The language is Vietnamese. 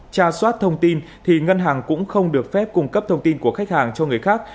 tra soát thông tin thì ngân hàng cũng không được phép cung cấp thông tin của khách hàng cho người khác